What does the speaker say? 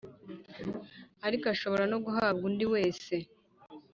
ariko ashobora no guhabwa undi wese